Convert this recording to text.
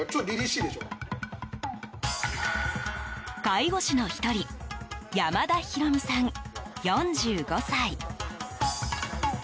介護士の１人山田裕三さん、４５歳。